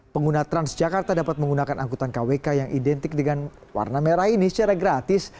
pengguna transjakarta dapat menggunakan angkutan kwk yang identik dengan warna merah ini secara gratis